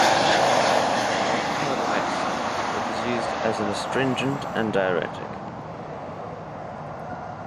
In modern herbal medicine it is used as an astringent and diuretic.